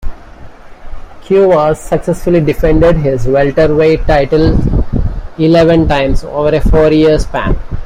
Cuevas successfully defended his welterweight title eleven times over a four-year span.